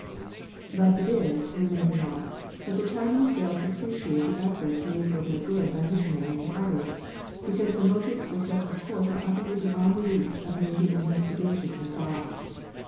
Thus it is, we may remark, that the Chinese fail to appreciate the efforts made for their good by missionaries and others, because the motives for such a course are utterly beyond the reach of native investigation and thought.